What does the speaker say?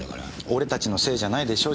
俺たちのせいじゃないでしょ。